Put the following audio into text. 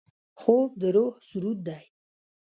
خوب د روح سرود دی